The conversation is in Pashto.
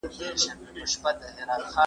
څوک په ټولنه کي ډېر راښکونکي وي؟